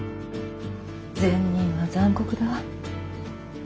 善人は残酷だ。